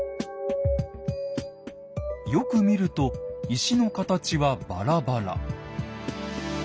よく見ると石の形はバラバラ。